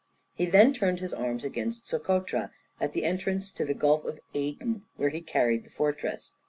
He then turned his arms against Socotra, at the entrance of the Gulf of Aden, where he carried the fortress.